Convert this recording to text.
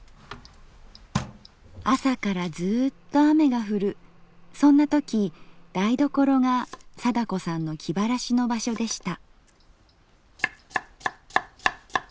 朝からずうっと雨が降るそんな時台所が貞子さんの気晴らしの場所でした。